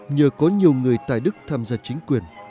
nhờ có nhiều người tài đức tham gia chính quyền